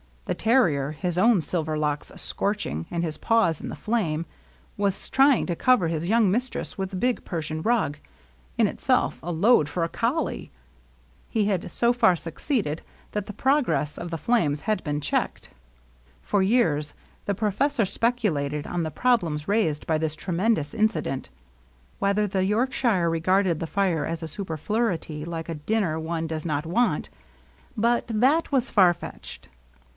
The terrier, his own silver locks scorching, and his paws in the flame, was trying to cover his young mistress with the big Persian rug, in itself a load for a collie. He had so far succeeded that the progress of the flames had been checked. For years the professor speculated on the pro blems raised by this tremendous incident. Whether the Yorkshire regarded the fire as a superfluity, like a dinner one does not want, — but that was far fetched.